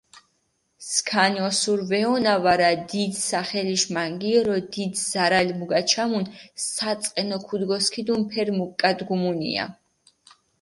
სქანი ოსური ვეჸონა ვარა, დიდი სახელიშ მანგიორო დიდი ზარალი მიგაჩამუნ, საწყენო ქჷდგოსქიდუნ ფერი მუკგადგუმუნია.